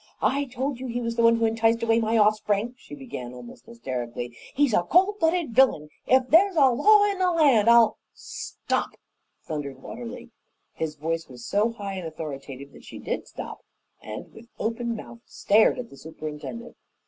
"I told you he was the one who enticed away my offspring," she began, almost hysterically. "He's a cold blooded villain! If there's a law in the land, I'll " "Stop!" thundered Watterly. His voice was so high and authoritative that she did stop, and with open mouth stared at the superintendent.